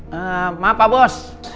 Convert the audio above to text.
maaf pak bos